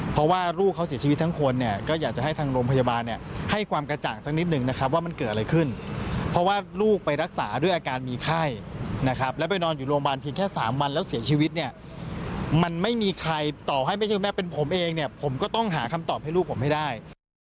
เพราะว่าลูกเขาเสียชีวิตทั้งคนเนี่ยก็อยากจะให้ทางโรงพยาบาลเนี่ยให้ความกระจ่างสักนิดนึงนะครับว่ามันเกิดอะไรขึ้นเพราะว่าลูกไปรักษาด้วยอาการมีไข้นะครับแล้วไปนอนอยู่โรงพยาบาลเพียงแค่๓วันแล้วเสียชีวิตเนี่ยมันไม่มีใครต่อให้ไม่ใช่แม่เป็นผมเองเนี่ยผมก็ต้องหาคำตอบให้ลูกผมให้ได้